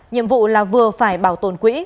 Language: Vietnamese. nhiệm vụ là vừa phải bảo tồn quỹ